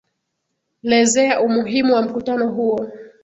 lezea umuhimu wa mkutano huo